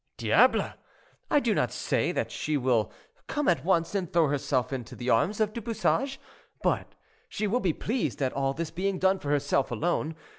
"Diable! I do not say that she will come at once and throw herself into the arms of Du Bouchage, but she will be pleased at all this being done for herself alone.